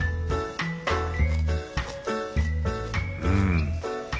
うん。